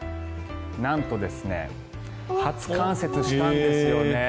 なんと初冠雪したんですよね。